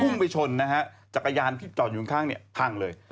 พุ่งไปชนแตกอย่างส่วนจอดอยู่ข้างโดยพังเลย